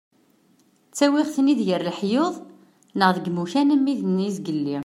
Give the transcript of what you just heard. Ttawiɣ-ten-id gar leḥyuḍ-a neɣ deg yimukan am wid n yizgelli.